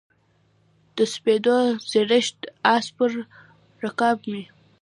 او د سپېدو د زرین آس پر رکاب مې